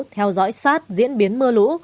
theo dõi sát diễn biến mưa lũ